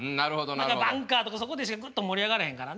何かバンカーとかそこでしかグッと盛り上がらへんからね。